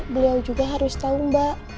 beliau juga harus tahu mbak